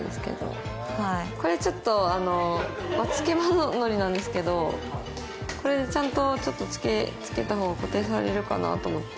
これちょっとつけまののりなんですけどこれでちゃんとちょっとつけた方が固定されるかなと思って。